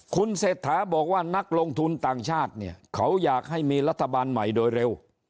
คุณเศรษฐาบอกว่านักลงทุนต่างชาติเนี่ยเขาอยากให้มีรัฐบาลใหม่โดยเร็ว